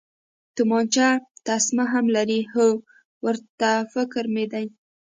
تومانچه تسمه هم لري، هو، ورته فکر مې دی.